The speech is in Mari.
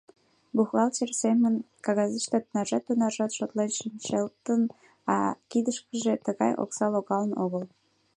Бухгалтер семын кагазыште тынаржат-тунаржат шотлен шинчылтын, а кидышкыже тыгай окса логалын огыл.